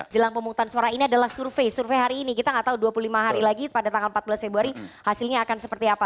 jelang pemungutan suara ini adalah survei survei hari ini kita nggak tahu dua puluh lima hari lagi pada tanggal empat belas februari hasilnya akan seperti apa